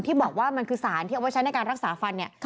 ที่บอกว่ามันคือสารที่เอาไว้ใช้ในการรักษาฟันเนี่ย